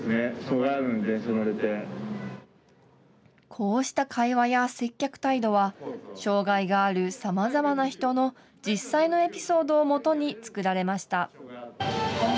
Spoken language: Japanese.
こうした会話や接客態度は障害があるさまざまな人の実際のエピソードをもとに作られました。